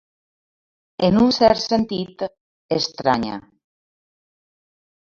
En un cert sentit, estranya.